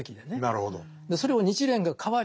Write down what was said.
なるほど。